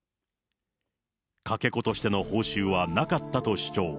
かけ子としての報酬はなかったと主張。